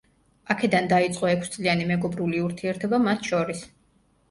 აქედან დაიწყო ექვს წლიანი მეგობრული ურთიერთობა მათ შორის.